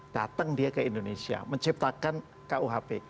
datang dia ke indonesia menciptakan kuhp